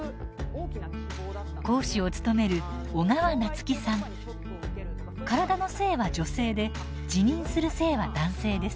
講師を務める体の性は女性で自認する性は男性です。